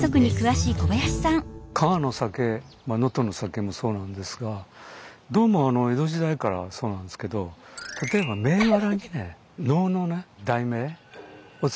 加賀の酒能登の酒もそうなんですがどうも江戸時代からそうなんですけど例えば銘柄にね能の題名を付けたそういう酒が多いんですよ。